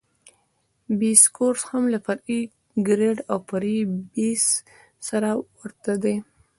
بیس کورس هم له فرعي ګریډ او فرعي بیس سره ورته دی